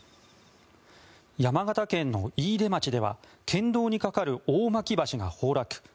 山形県の飯豊町では県道に架かる大巻橋が崩落。